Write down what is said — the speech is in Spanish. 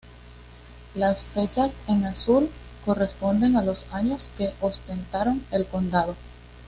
Las fechas en azul corresponden a los años que ostentaron el condado.